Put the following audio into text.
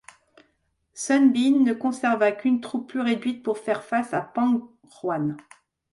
Sun Bin ne conserva qu'une troupe plus réduite pour faire face à Pang Juan.